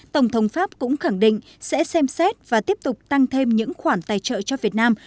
tổng thống pháp cũng khẳng định sẽ xem xét và tiếp tục tăng thêm những khoản tài trợ cho việt nam